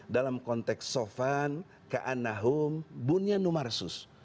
dalam konteks sofan keanahum bunyianumarsus